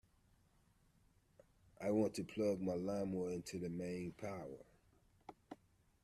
I want to plug my lawnmower into mains power